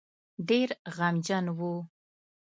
ډېر غمجن وو.